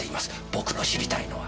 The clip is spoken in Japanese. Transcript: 僕の知りたいのは。